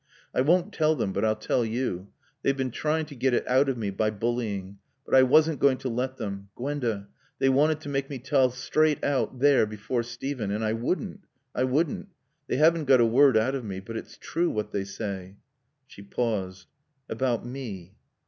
"I won't tell them, but I'll tell you. They've been trying to get it out of me by bullying, but I wasn't going to let them. Gwenda they wanted to make me tell straight out, there before Steven. And I wouldn't I wouldn't. They haven't got a word out of me. But it's true, what they say." She paused. "About me."